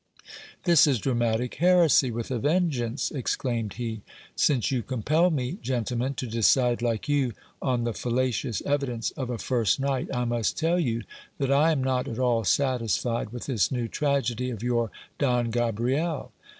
This is dramatic heresy with a vengeance ! exclaimed he. Since you compel me, gentlemen, to decide like you on the fallacious evidence of a first night, I must tell you that I am not at all satisfied with this new tragedy of your Don Gabriel.